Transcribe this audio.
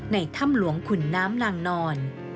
ถ้ำหลวงขุนน้ำนางนอน